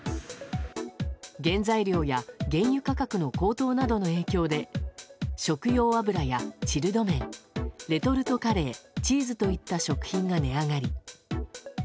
原材料や原油価格の高騰などの影響で食用油やチルド麺レトルトカレーチーズといった食品が値上がり。